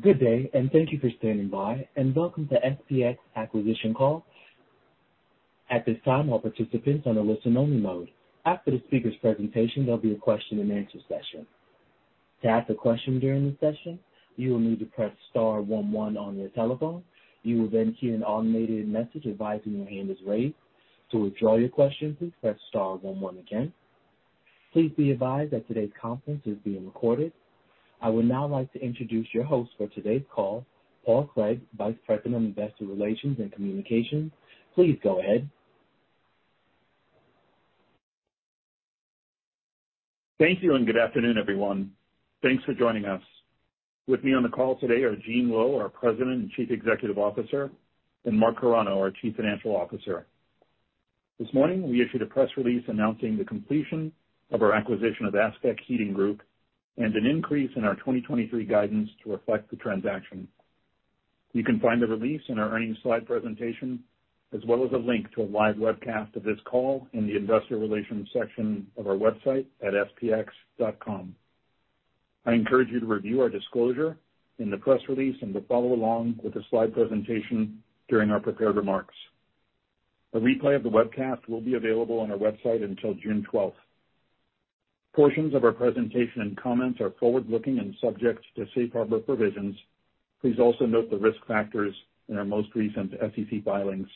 Good day, and thank you for standing by, and welcome to SPX Acquisition Call. At this time, all participants are on a listen-only mode. After the speaker's presentation, there'll be a question-and-answer session. To ask a question during the session, you will need to press star one one on your telephone. You will then hear an automated message advising your hand is raised. To withdraw your question, please press star one one again. Please be advised that today's conference is being recorded. I would now like to introduce your host for today's call, Paul Clegg, Vice President of Investor Relations and Communications. Please go ahead. Thank you, and good afternoon, everyone. Thanks for joining us. With me on the call today are Gene Lowe, our President and Chief Executive Officer, and Mark Carano, our Chief Financial Officer. This morning, we issued a press release announcing the completion of our acquisition of ASPEQ Heating Group and an increase in our 2023 guidance to reflect the transaction. You can find the release in our earnings slide presentation, as well as a link to a live webcast of this call in the investor relations section of our website at spx.com. I encourage you to review our disclosure in the press release and to follow along with the slide presentation during our prepared remarks. A replay of the webcast will be available on our website until June 12th. Portions of our presentation and comments are forward-looking and subject to safe harbor provisions. Please also note the risk factors in our most recent SEC filings.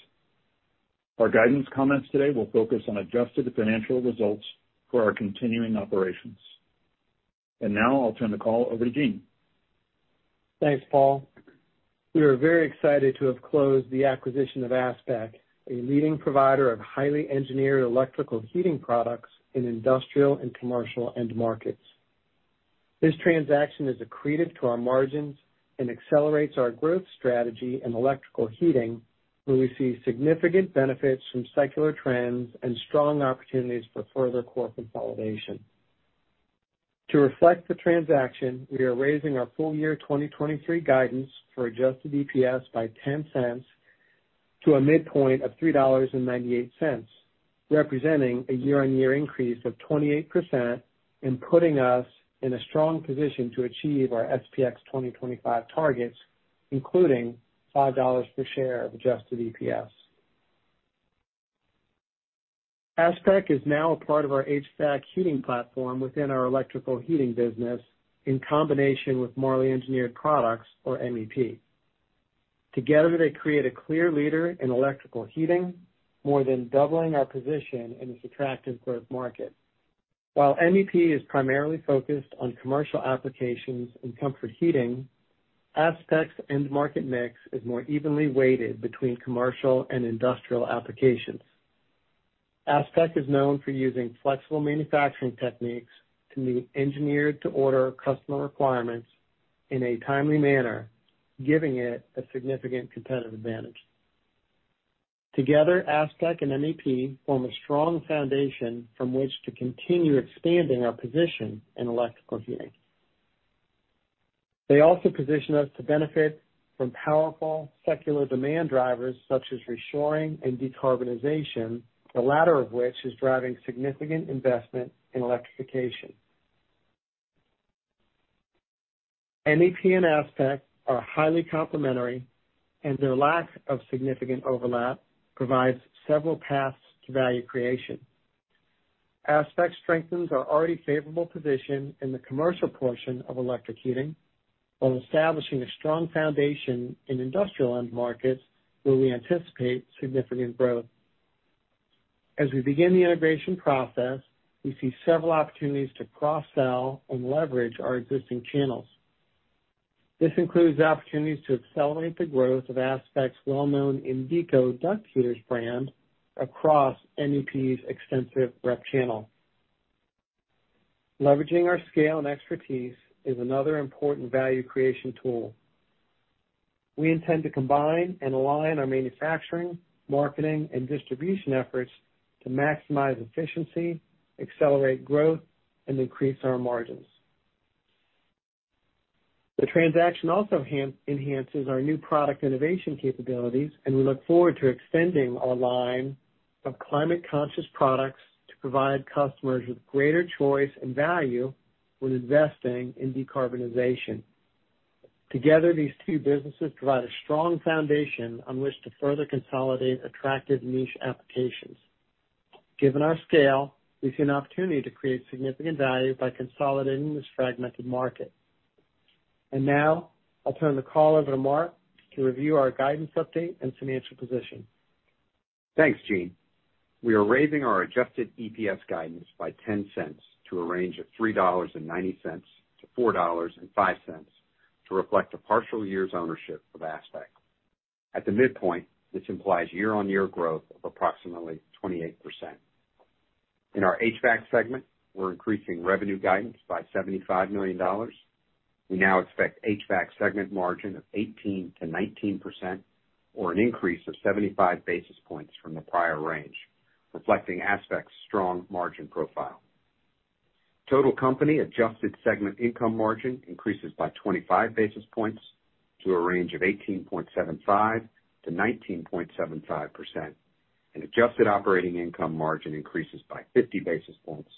Our guidance comments today will focus on adjusted financial results for our continuing operations. Now I'll turn the call over to Gene. Thanks, Paul. We are very excited to have closed the acquisition of ASPEQ, a leading provider of highly engineered electrical heating products in industrial and commercial end markets. This transaction is accretive to our margins and accelerates our growth strategy in electrical heating, where we see significant benefits from secular trends and strong opportunities for further core consolidation. To reflect the transaction, we are raising our full-year 2023 guidance for adjusted EPS by $0.10 to a midpoint of $3.98, representing a year-on-year increase of 28%, and putting us in a strong position to achieve our SPX 2025 targets, including $5 per share of adjusted EPS. ASPEQ is now a part of our HVAC heating platform within our electrical heating business, in combination with Marley Engineered Products, or MEP. Together, they create a clear leader in electrical heating, more than doubling our position in this attractive growth market. While MEP is primarily focused on commercial applications and comfort heating, ASPEQ's end market mix is more evenly weighted between commercial and industrial applications. ASPEQ is known for using flexible manufacturing techniques to meet engineered-to-order customer requirements in a timely manner, giving it a significant competitive advantage. Together, ASPEQ and MEP form a strong foundation from which to continue expanding our position in electrical heating. They also position us to benefit from powerful secular demand drivers, such as reshoring and decarbonization, the latter of which is driving significant investment in electrification. MEP and ASPEQ are highly complementary, and their lack of significant overlap provides several paths to value creation. ASPEQ strengthens our already favorable position in the commercial portion of electric heating, while establishing a strong foundation in industrial end markets, where we anticipate significant growth. As we begin the integration process, we see several opportunities to cross-sell and leverage our existing channels. This includes opportunities to accelerate the growth of ASPEQ's well-known Indeeco Duct Heaters brand across MEP's extensive rep channel. Leveraging our scale and expertise is another important value creation tool. We intend to combine and align our manufacturing, marketing, and distribution efforts to maximize efficiency, accelerate growth, and increase our margins. The transaction also enhances our new product innovation capabilities, and we look forward to extending our line of climate-conscious products to provide customers with greater choice and value when investing in decarbonization. Together, these two businesses provide a strong foundation on which to further consolidate attractive niche applications. Given our scale, we see an opportunity to create significant value by consolidating this fragmented market. Now I'll turn the call over to Mark to review our guidance update and financial position. Thanks, Gene. We are raising our adjusted EPS guidance by $0.10 to a range of $3.90-$4.05 to reflect a partial year's ownership of ASPEQ. At the midpoint, this implies year-over-year growth of approximately 28%. In our HVAC segment, we're increasing revenue guidance by $75 million. We now expect HVAC segment margin of 18%-19%, or an increase of 75 basis points from the prior range, reflecting ASPEQ's strong margin profile. Total company adjusted segment income margin increases by 25 basis points to a range of 18.75%-19.75%, adjusted operating income margin increases by 50 basis points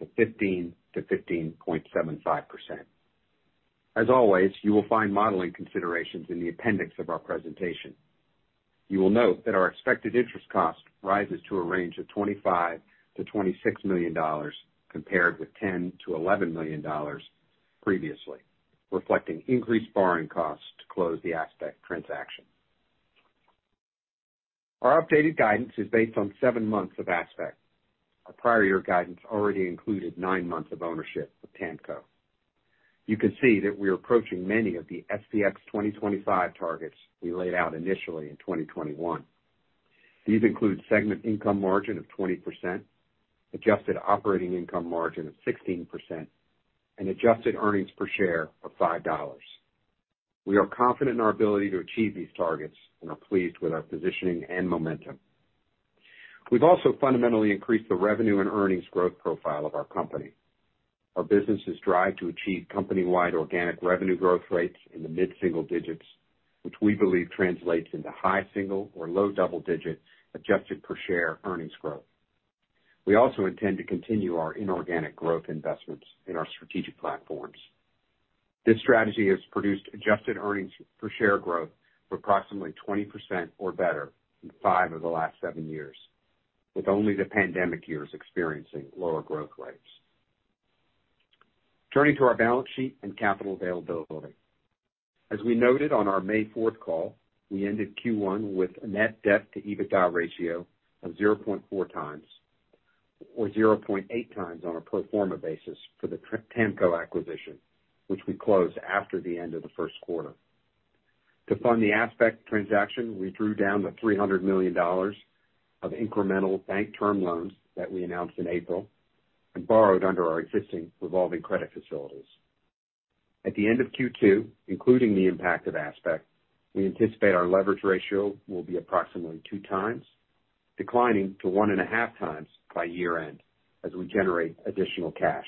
to 15%-15.75%. As always, you will find modeling considerations in the appendix of our presentation. You will note that our expected interest cost rises to a range of $25 million-$26 million, compared with $10 million-$11 million previously, reflecting increased borrowing costs to close the ASPEQ transaction. Our updated guidance is based on seven months of ASPEQ. Our prior year guidance already included nine months of ownership of TAMCO. You can see that we are approaching many of the SPX 2025 targets we laid out initially in 2021. These include segment income margin of 20%, adjusted operating income margin of 16%, and adjusted earnings per share of $5. We are confident in our ability to achieve these targets and are pleased with our positioning and momentum. We've also fundamentally increased the revenue and earnings growth profile of our company. Our business is drive to achieve company-wide organic revenue growth rates in the mid-single digits, which we believe translates into high single or low double-digit adjusted per share earnings growth. We also intend to continue our inorganic growth investments in our strategic platforms. This strategy has produced adjusted earnings per share growth of approximately 20% or better in five of the last seven years, with only the pandemic years experiencing lower growth rates. Turning to our balance sheet and capital availability. As we noted on our May fourth call, we ended Q1 with a net debt to EBITDA ratio of 0.4x, or 0.8x on a pro forma basis for the TAMCO acquisition, which we closed after the end of the first quarter. To fund the ASPEQ transaction, we drew down the $300 million of incremental bank term loans that we announced in April and borrowed under our existing revolving credit facilities. At the end of Q2, including the impact of ASPEQ, we anticipate our leverage ratio will be approximately 2x, declining to 1.5x by year-end as we generate additional cash.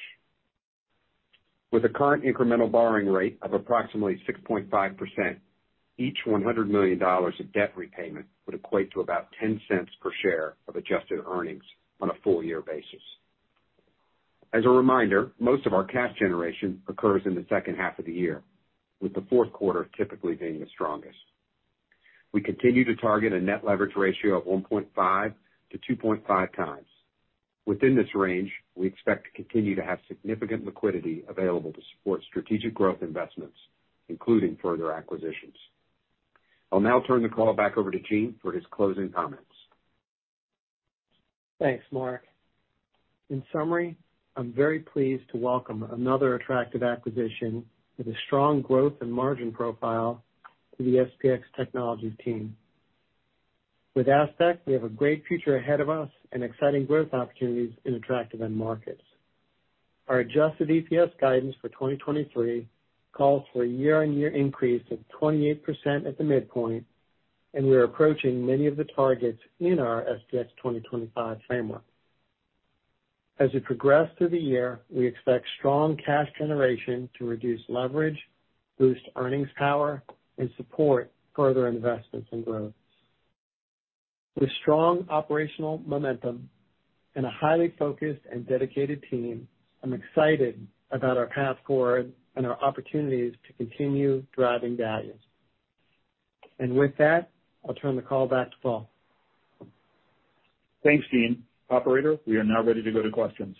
With a current incremental borrowing rate of approximately 6.5%, each $100 million of debt repayment would equate to about $0.10 per share of adjusted earnings on a full year basis. As a reminder, most of our cash generation occurs in the second half of the year, with the fourth quarter typically being the strongest. We continue to target a net leverage ratio of 1.5x-2.5x. Within this range, we expect to continue to have significant liquidity available to support strategic growth investments, including further acquisitions. I'll now turn the call back over to Gene for his closing comments. Thanks, Mark. In summary, I'm very pleased to welcome another attractive acquisition with a strong growth and margin profile to the SPX Technologies team. With ASPEQ, we have a great future ahead of us and exciting growth opportunities in attractive end markets. Our adjusted EPS guidance for 2023 calls for a year-on-year increase of 28% at the midpoint, we are approaching many of the targets in our SPX 2025 framework. As we progress through the year, we expect strong cash generation to reduce leverage, boost earnings power, and support further investments and growth. With strong operational momentum and a highly focused and dedicated team, I'm excited about our path forward and our opportunities to continue driving value. With that, I'll turn the call back to Paul. Thanks, Gene. Operator, we are now ready to go to questions.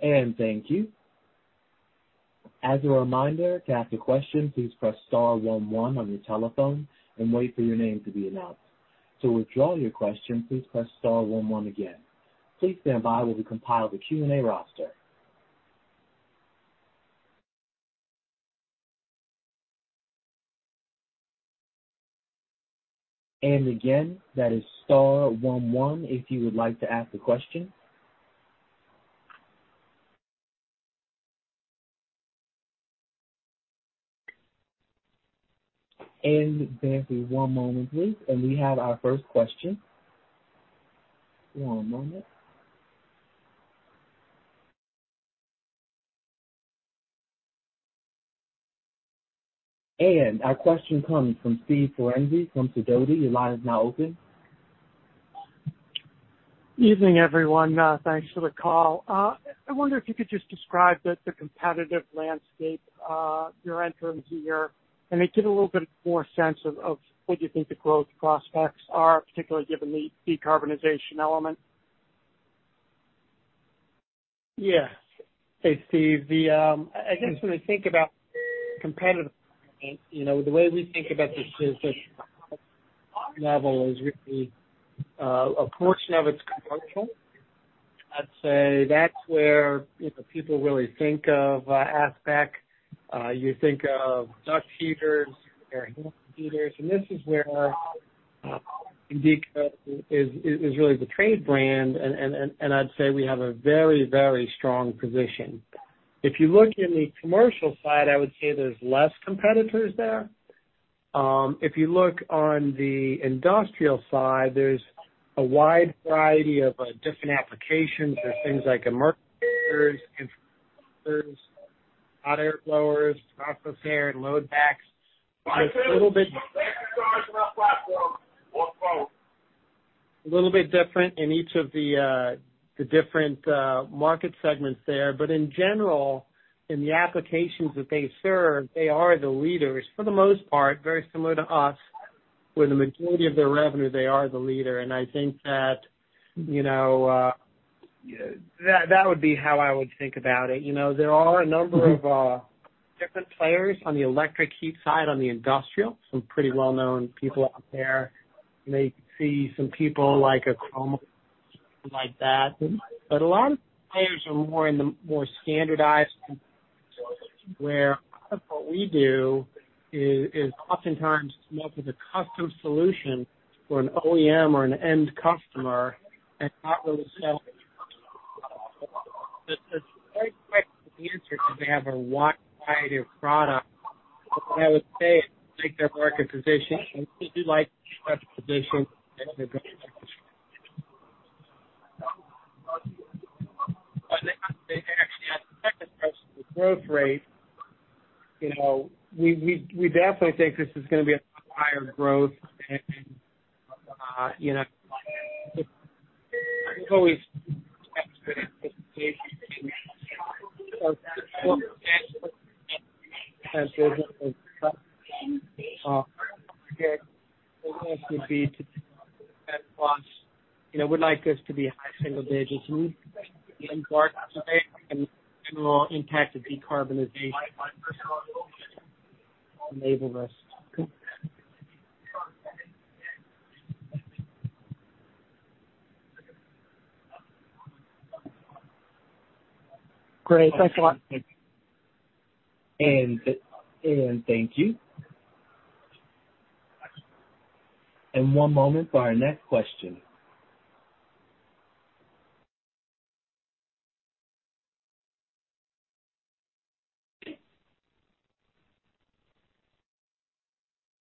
Thank you. As a reminder, to ask a question, please press star one one on your telephone and wait for your name to be announced. To withdraw your question, please press star one one again. Please stand by while we compile the Q&A roster. Again, that is star one one if you would like to ask a question. Bear with me one moment, please, and we have our first question. One moment. Our question comes from Steve Ferazani from Sidoti. Your line is now open. Evening, everyone. thanks for the call. I wonder if you could just describe the competitive landscape, you're entering into here, and maybe give a little bit more sense of what you think the growth prospects are, particularly given the decarbonization element? Yeah. Hey, Steve, I guess when I think about competitive, you know, the way we think about this is this level is really a portion of it's commercial. I'd say that's where, you know, people really think of ASPEQ. You think of duct heaters or heaters, and this is where is really the trade brand, and I'd say we have a very, very strong position. If you look in the commercial side, I would say there's less competitors there. If you look on the industrial side, there's a wide variety of different applications. There's things like hot air blowers, crossflow air and load banks. It's a little bit different in each of the different market segments there. In general, in the applications that they serve, they are the leaders for the most part, very similar to us, where the majority of their revenue, they are the leader. I think that, you know, that would be how I would think about it. You know, there are a number of different players on the electric heat side, on the industrial. Some pretty well-known people out there. You may see some people like a, like that, but a lot of players are more in the more standardized where a lot of what we do is oftentimes come up with a custom solution for an OEM or an end customer and not really sell. They have a wide variety of products, but I would say take their market position, just like market position. They actually had the second question, the growth rate. You know, we definitely think this is going to be a higher growth, you know, I think always, you know, we'd like this to be a high single digits in part and general impact of decarbonization enable us. Great. Thanks a lot. Thank you. One moment for our next question.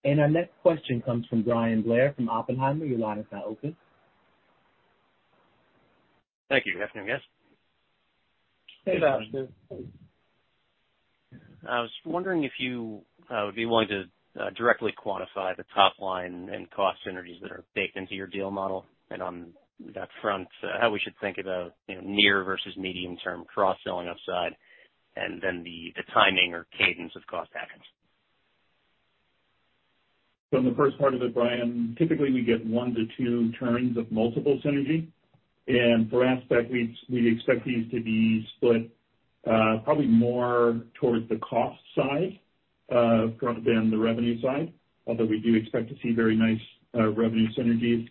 Our next question comes from Bryan Blair, from Oppenheimer. Your line is now open. Thank you. Good afternoon, guys. Hey, Bryan. I was wondering if you would be willing to directly quantify the top line and cost synergies that are baked into your deal model. On that front, how we should think about, you know, near versus medium-term cross-selling upside, and then the timing or cadence of cost savings. In the first part of it, Bryan, typically we get one to two turns of multiple synergy. For ASPEQ, we'd expect these to be split probably more towards the cost side rather than the revenue side. Although we do expect to see very nice revenue synergies.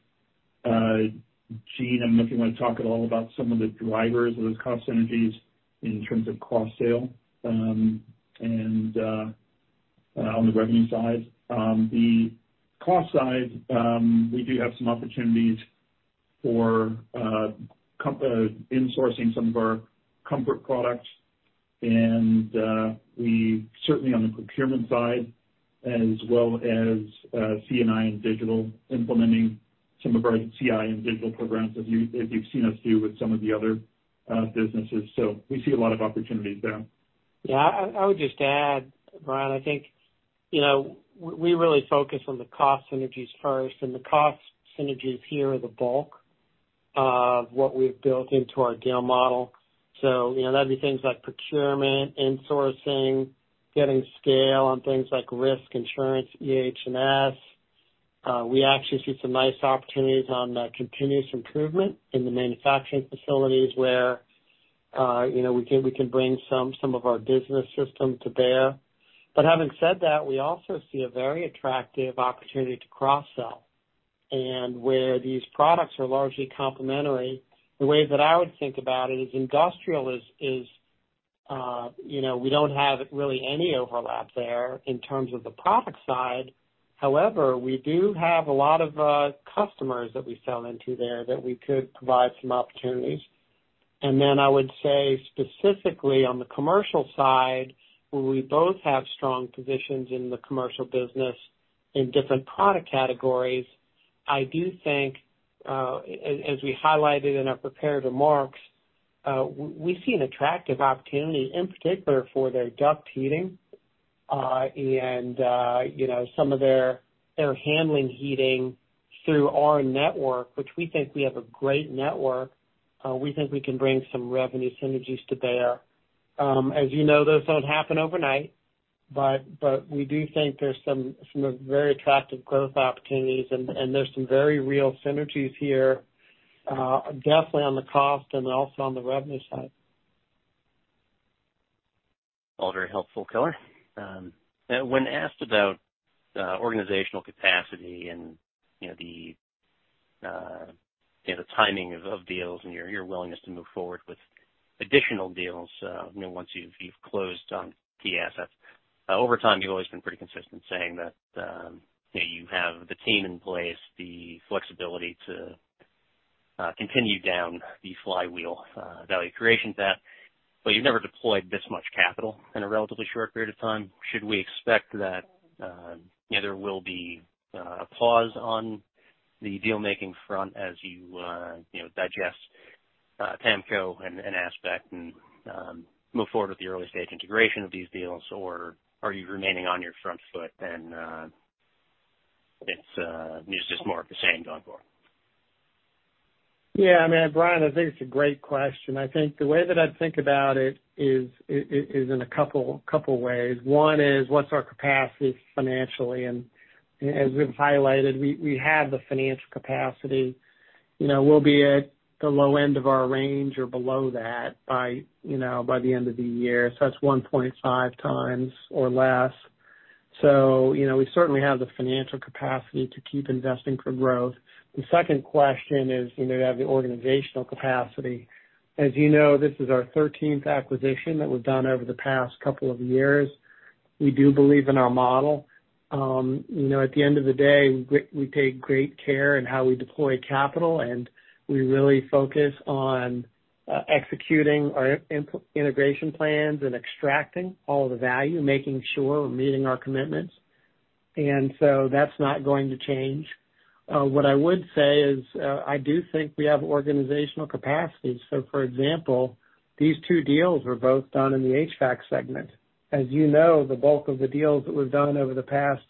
Gene, I'm looking to talk at all about some of the drivers of those cost synergies in terms of cross-sale, and on the revenue side. The cost side, we do have some opportunities for insourcing some of our comfort products, and we certainly on the procurement side as well as C&I and digital, implementing some of our CI and digital programs, as you've seen us do with some of the other businesses. We see a lot of opportunities there. Yeah, I would just add, Bryan, I think, you know, we really focus on the cost synergies first, and the cost synergies here are the bulk of what we've built into our deal model. You know, that'd be things like procurement, insourcing, getting scale on things like risk, insurance, EH&S. We actually see some nice opportunities on continuous improvement in the manufacturing facilities, where, you know, we can bring some of our business systems to bear. Having said that, we also see a very attractive opportunity to cross-sell. Where these products are largely complementary, the way that I would think about it is industrial is, you know, we don't have really any overlap there in terms of the product side. We do have a lot of customers that we sell into there that we could provide some opportunities. I would say, specifically on the commercial side, where we both have strong positions in the commercial business in different product categories, I do think, as we highlighted in our prepared remarks, we see an attractive opportunity in particular for their duct heating, and, you know, some of their handling heating through our network, which we think we have a great network. We think we can bring some revenue synergies to bear. As you know, those don't happen overnight, but we do think there's some very attractive growth opportunities and there's some very real synergies here, definitely on the cost and also on the revenue side. All very helpful, color. When asked about organizational capacity and, you know, the timing of deals and your willingness to move forward with additional deals, you know, once you've closed on key assets. Over time, you've always been pretty consistent in saying that, you know, you have the team in place, the flexibility to continue down the flywheel value creation path, but you've never deployed this much capital in a relatively short period of time. Should we expect that, you know, there will be a pause on the deal-making front as you know, digest TAMCO and ASPEQ and move forward with the early stage integration of these deals? Are you remaining on your front foot and it's just more of the same going forward? Yeah, I mean, Bryan, I think it's a great question. I think the way that I'd think about it is in a couple ways. One is, what's our capacity financially? As we've highlighted, we have the financial capacity. You know, we'll be at the low end of our range or below that by, you know, by the end of the year. That's 1.5x or less. You know, we certainly have the financial capacity to keep investing for growth. The second question is, you know, do we have the organizational capacity? As you know, this is our 13th acquisition that we've done over the past couple of years. We do believe in our model. You know, at the end of the day, we take great care in how we deploy capital, and we really focus on executing our integration plans and extracting all the value, making sure we're meeting our commitments. That's not going to change. What I would say is, I do think we have organizational capacity. For example, these two deals were both done in the HVAC segment. As you know, the bulk of the deals that we've done over the past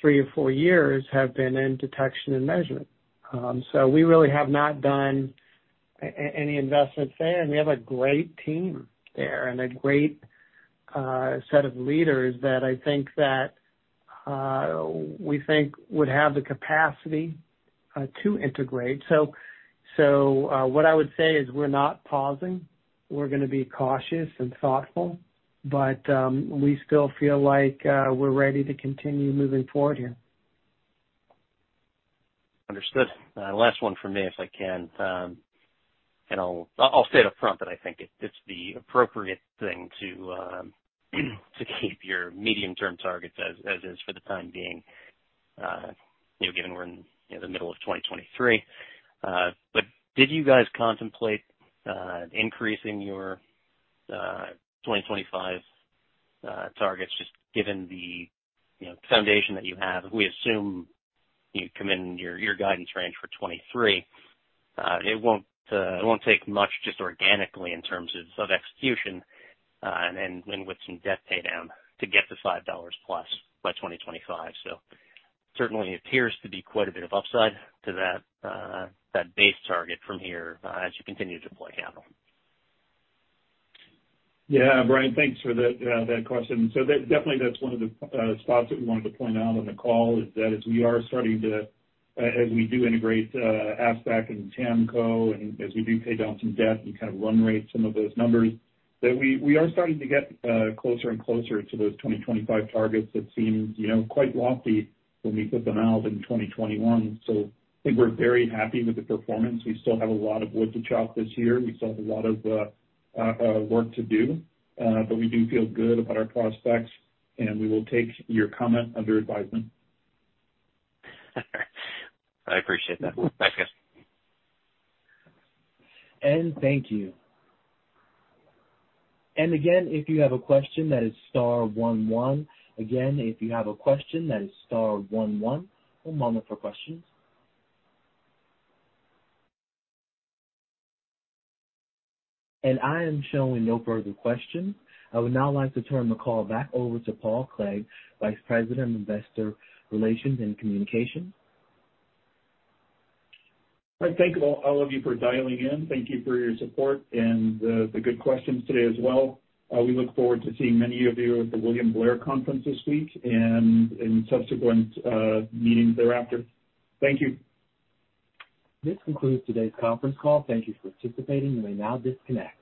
three or four years have been in Detection and Measurement. We really have not done any investments there, and we have a great team there and a great set of leaders that I think that we think would have the capacity to integrate. What I would say is we're not pausing. We're gonna be cautious and thoughtful, but we still feel like we're ready to continue moving forward here. Understood. Last one from me, if I can, I'll say it up front, that I think it's the appropriate thing to keep your medium-term targets as is for the time being, given we're in the middle of 2023. Did you guys contemplate increasing your 2025 targets, just given the foundation that you have? We assume you'd come in your guidance range for 2023. It won't, it won't take much just organically in terms of execution, and then with some debt paydown to get to $5+ by 2025. Certainly appears to be quite a bit of upside to that base target from here, as you continue to deploy capital. Yeah, Bryan, thanks for that question. That, definitely that's one of the spots that we wanted to point out on the call, is that as we are starting to, as we do integrate ASPEQ and TAMCO, and as we do pay down some debt and kind of run rate some of those numbers, that we are starting to get closer and closer to those 2025 targets that seemed, you know, quite lofty when we put them out in 2021. I think we're very happy with the performance. We still have a lot of wood to chop this year. We still have a lot of work to do, but we do feel good about our prospects, and we will take your comment under advisement. I appreciate that, thank you. Thank you. Again, if you have a question, that is star one one. Again, if you have a question, that is star one one. One moment for questions. I am showing no further questions. I would now like to turn the call back over to Paul Clegg, Vice President of Investor Relations and Communications. I thank all of you for dialing in. Thank you for your support and the good questions today as well. We look forward to seeing many of you at the William Blair conference this week and in subsequent meetings thereafter. Thank you. This concludes today's conference call. Thank you for participating. You may now disconnect.